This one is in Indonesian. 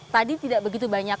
tadi tidak begitu banyak